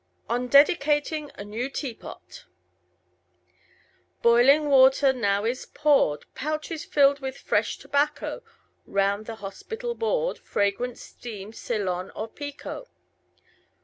ON DEDICATING A NEW TEAPOT Boiling water now is poured, Pouches filled with fresh tobacco, Round the hospitable board Fragrant steams Ceylon or Pekoe.